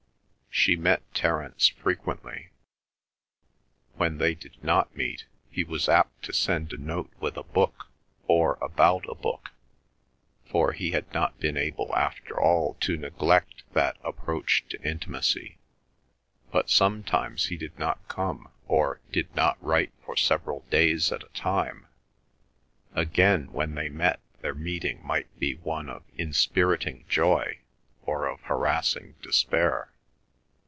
She met Terence frequently. When they did not meet, he was apt to send a note with a book or about a book, for he had not been able after all to neglect that approach to intimacy. But sometimes he did not come or did not write for several days at a time. Again when they met their meeting might be one of inspiriting joy or of harassing despair.